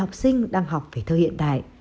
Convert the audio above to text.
học sinh đang học về thơ hiện đại